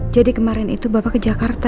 jadi kemarin itu bapak ke jakarta